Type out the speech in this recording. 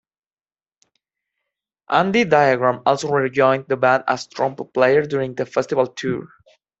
Andy Diagram also rejoined the band as trumpet player during the festival tour.